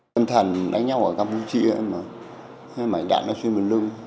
tâm thần đánh nhau ở campuchia mảnh đạn nó xuyên bên lưng